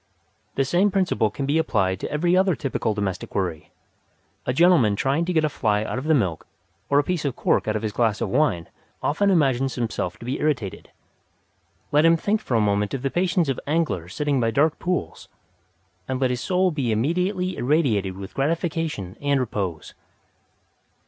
The same principle can be applied to every other typical domestic worry. A gentleman trying to get a fly out of the milk or a piece of cork out of his glass of wine often imagines himself to be irritated. Let him think for a moment of the patience of anglers sitting by dark pools, and let his soul be immediately irradiated with gratification and repose.